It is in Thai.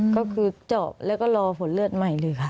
ก็คือเจาะแล้วก็รอผลเลือดใหม่เลยค่ะ